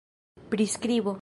priskribo